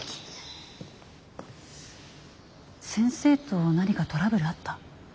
先生と何かトラブルあった？